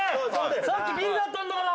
さっきビリだったんだから！